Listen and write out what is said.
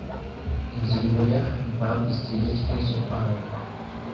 Ingingo ya Impamvu zitegetswe zo kwanga